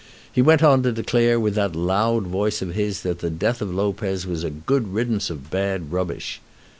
He went on to declare with that loud voice of his that the death of Lopez was a good riddance of bad rubbish.